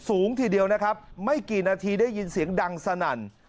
ทีเดียวนะครับไม่กี่นาทีได้ยินเสียงดังสนั่น